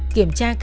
kiểm tra đối tượng